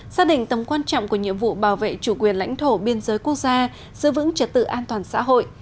xác định tầm quan trọng của nhiệm vụ bảo vệ chủ quyền lãnh thổ biên giới quốc gia giữ vững trật tự an toàn xã hội